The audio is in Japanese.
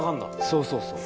そうそうそう。